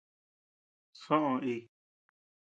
Soʼö íi.